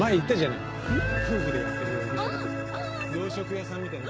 洋食屋さんみたいな。